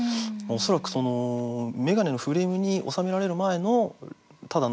恐らく眼鏡のフレームに収められる前のただのレンズ。